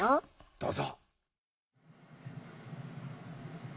どうぞ。